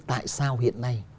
tại sao hiện nay